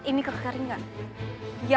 setiap dia menemukan kita